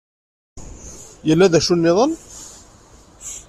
Yella d acu-nniḍen?